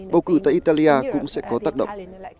bầu cử tại italia cũng sẽ có tác động